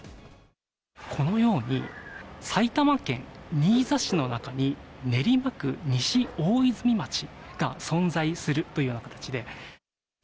このように、埼玉県新座市の中に練馬区西大泉町が存在するというような形で。